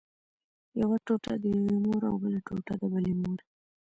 یوه ټوټه د یوې مور او بله ټوټه د بلې مور.